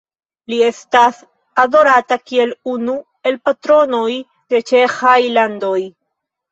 Li estas adorata kiel unu el patronoj de ĉeĥaj landoj.